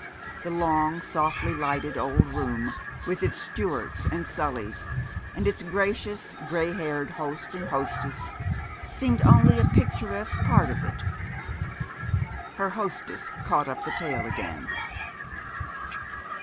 The long, softly lighted old room, with its Stuarts and Sullys, and its gracious, gray haired host and hostess, seemed only a picturesque part of it.... Her hostess caught up the tale again.